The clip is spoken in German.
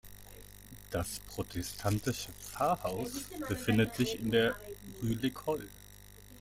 Das protestantische Pfarrhaus befindet sich in der Rue de l'Ecole.